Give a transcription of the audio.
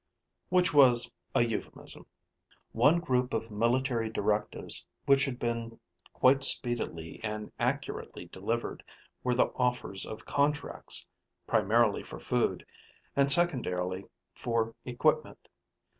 Which was a euphemism. One group of military directives which had been quite speedily and accurately delivered were the offers of contracts, primarily for food, and secondarily for equipment.